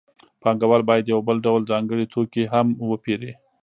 پانګوال باید یو بل ډول ځانګړی توکی هم وپېري